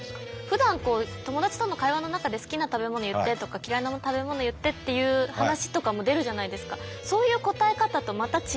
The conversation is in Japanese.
ふだん友達との会話の中で「好きな食べ物言って」とか「嫌いな食べ物言って」っていう話とかも出るじゃないですか。